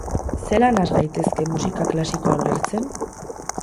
Zelan has gaitezke musika klasikoa ulertzen?